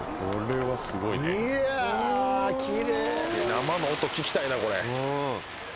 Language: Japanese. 生の音聞きたいなこれ。